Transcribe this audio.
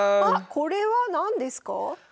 あっこれは何ですか？